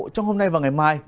trong hôm nay và ngày mai